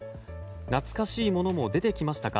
懐かしいものも出てきましたか？